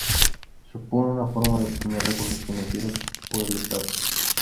Supone una forma de obtener recursos financieros por el Estado.